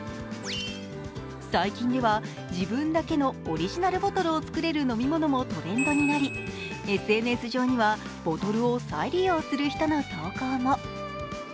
最近では、自分だけのオリジナルボトルを作れる飲み物もトレンドになりＳＮＳ上にはボトルを再利用する人の投稿も。